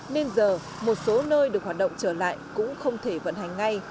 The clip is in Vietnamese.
nên giờ một số nơi được hoạt động trở lại cũng không thể vận hành ngay